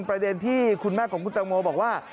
ประเด็นที่คุณแม่ของคุณตังโมบอกว่า